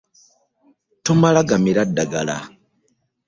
Tomala gamira ddagala.